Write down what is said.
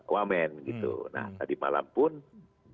wamen nah tadi malam possa